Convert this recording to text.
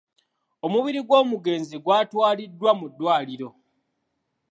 Omubiri gw'omugenzi gwatwaliddwa mu ddwaliro.